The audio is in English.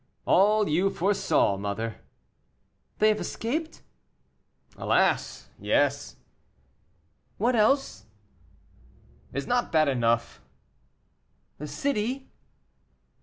"All you foresaw, mother." "They have escaped?" "Alas! yes." "What else?" "Is not that enough?" "The city?"